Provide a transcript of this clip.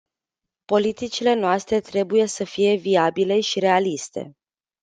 Politicile noastre trebuie să fie viabile și realiste.